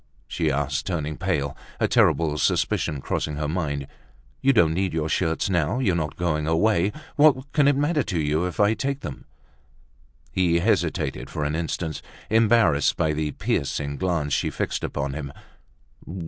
she asked, turning pale, a terrible suspicion crossing her mind. "You don't need your shirts now, you're not going away. What can it matter to you if I take them?" He hesitated for an instant, embarrassed by the piercing glance she fixed upon him.